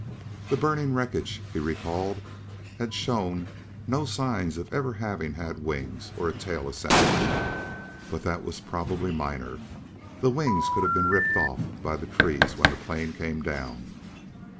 The burning wreckage, he recalled, had shown no signs of ever having had wings or a tail assembly. But that was probably minor; the wings could have been ripped off by the trees when the plane came down.